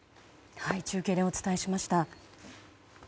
中継でお伝えしました。